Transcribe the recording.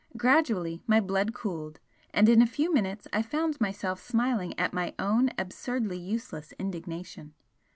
Gradually my blood cooled, and in a few minutes I found myself smiling at my own absurdly useless indignation.